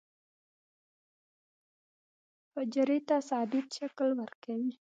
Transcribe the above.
حجرې ته ثابت شکل ورکوي.